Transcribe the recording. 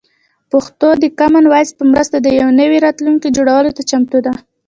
پښتو د کامن وایس په مرسته د یو نوي راتلونکي جوړولو ته چمتو ده.